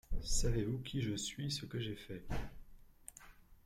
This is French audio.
Savez-vous qui je suis… ce que j’ai fait…